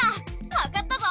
わかったぞ！